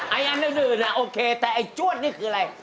ไอ้อันนั้นอื่นอ่ะโอเคแต่ไอ้จวดนี่คืออะไร